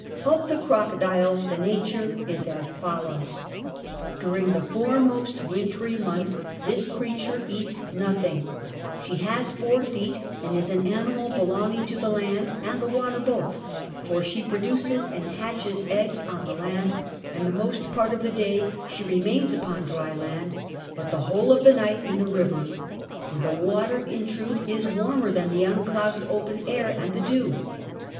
Of the crocodile the nature is as follows: during the four most wintry months this creature eats nothing: she has four feet and is an animal belonging to the land and the water both; for she produces and hatches eggs on the land, and the most part of the day she remains upon dry land, but the whole of the night in the river, for the water in truth is warmer than the unclouded open air and the dew.